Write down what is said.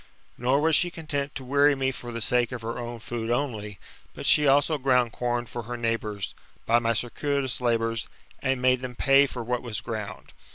Nor was she content to weary me for the sake of her own food only, but she also ground com for her neighbours, by my circuitous labours, and made them pay for what was ground.